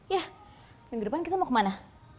ya minggu depan kita mau kemana